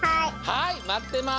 はいまってます！